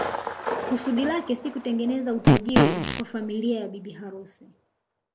Kusudi lake si kutengeneza utajijri kwa familia ya bibi harusi